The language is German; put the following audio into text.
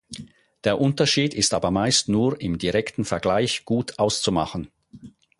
Der Unterschied ist aber meist nur im direkten Vergleich gut auszumachen.